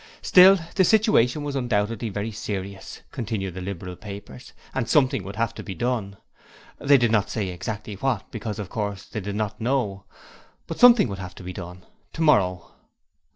Still, the situation was undoubtedly very serious continued the Liberal papers and Something would have to be done. They did not say exactly what, because, of course, they did not know; but Something would have to be done tomorrow.